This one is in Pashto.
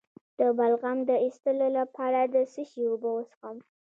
د بلغم د ایستلو لپاره د څه شي اوبه وڅښم؟